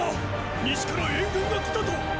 西から援軍が来たと！